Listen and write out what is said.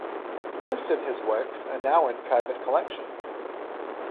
Most of his works are now in private collections.